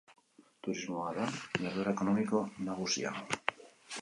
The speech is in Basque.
Turismoa da jarduera ekonomiko nagusia.